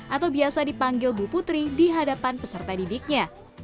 atau biasa dipanggil bu putri di hadapan peserta didiknya